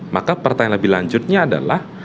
maka pertanyaan lebih lanjutnya adalah